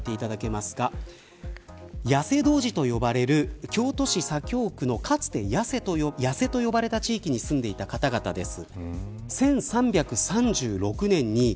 八瀬童子と呼ばれる京都市、左京区のかつて八瀬と呼ばれた地域に住んでいた方々です。